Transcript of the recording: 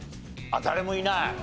あっ誰もいない。